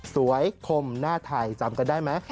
คมหน้าไทยจำกันได้ไหม